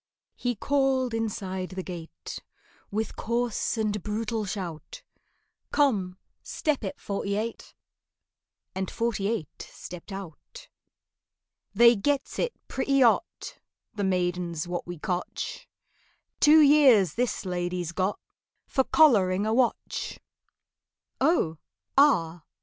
He called inside the gate With coarse and brutal shout, "Come, step it, Forty eight!" And Forty eight stepped out. "They gets it pretty hot, The maidens what we cotch— Two years this lady's got For collaring a wotch." "Oh, ah!